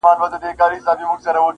ما چي میوند- میوند نارې وهلې-